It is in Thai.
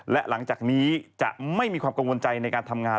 และหลังจากนี้จะไม่มีความกังวลใจในการทำงาน